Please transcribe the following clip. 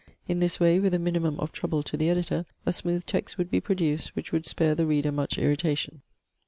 In this way, with a minimum of trouble to the editor, a smooth text would be produced, which would spare the reader much irritation.